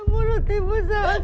ustaz mulut ibu sakit